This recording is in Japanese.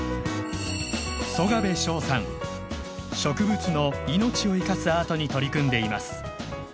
植物の命を生かすアートに取り組んでいます。